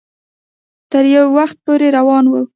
تر يو وخته پورې روانه وه